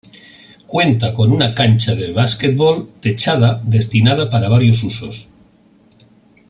Cuenta con una cancha de basquetbol techada destinada para varios usos.